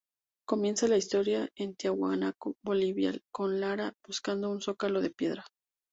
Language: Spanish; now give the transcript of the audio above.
Comienza la historia en Tiahuanaco, Bolivia, con Lara buscando un zócalo de piedra.